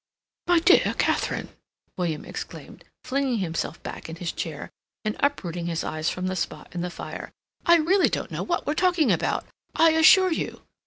"My dear Katharine!" William exclaimed, flinging himself back in his chair, and uprooting his eyes from the spot in the fire. "I really don't know what we're talking about.... I assure you...."